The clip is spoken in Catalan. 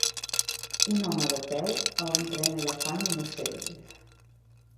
Un home de peu a un tren agafant un ocell.